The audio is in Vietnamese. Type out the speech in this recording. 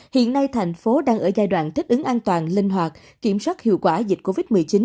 hiện nay thành phố đang ở giai đoạn thích ứng an toàn linh hoạt kiểm soát hiệu quả dịch covid một mươi chín